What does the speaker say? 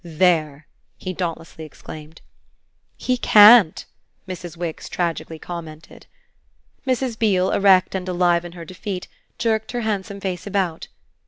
There!" he dauntlessly exclaimed. "He can't!" Mrs. Wix tragically commented. Mrs. Beale, erect and alive in her defeat, jerked her handsome face about.